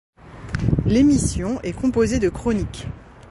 L'émission est composée de chroniques.